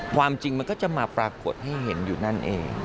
ความจริงมันก็จะมาปรากฏให้เห็นอยู่นั่นเอง